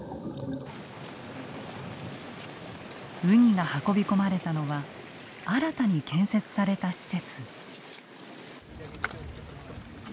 ウニが運び込まれたのは新たに建設された施設。